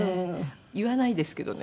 言わないですけどね。